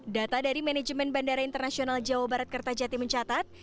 data dari manajemen bandara internasional jawa barat kertajati mencatat